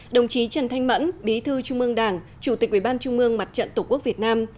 đồng chí trần thanh mẫn bí thư trung ương đảng chủ tịch ủy ban trung mương mặt trận tổ quốc việt nam